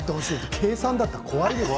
計算だったら怖いよ。